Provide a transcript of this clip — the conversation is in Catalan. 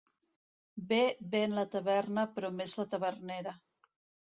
Bé ven la taverna, però més la tavernera.